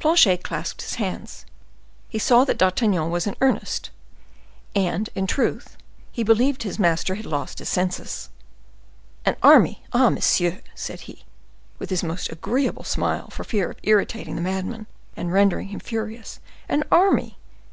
Planchet clasped his hands; he saw that D'Artagnan was in earnest, and, in good truth, he believed his master had lost his senses. "An army!—ah, monsieur," said he, with his most agreeable smile, for fear of irritating the madman, and rendering him furious,—"an army!